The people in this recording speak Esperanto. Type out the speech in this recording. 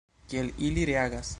Kiel ili reagas?